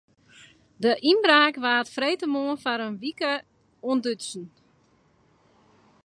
De ynbraak waard freedtemoarn foar in wike ûntdutsen.